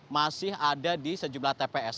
masih ada di sejumlah tps